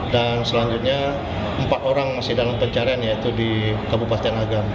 dan selanjutnya empat orang masih dalam pencarian yaitu di kabupaten agam